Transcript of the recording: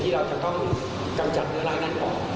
เราจะต้องกำจัดเนื้อร่างนั้นออก